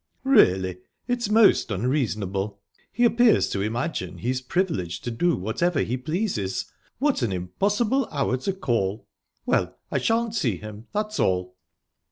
"Really, it's most unreasonable! He appears to imagine he's privileged to do whatever he pleases. What an impossible hour to call! ...Well, I shan't see him, that's all."